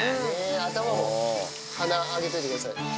頭も、鼻、上げといてください。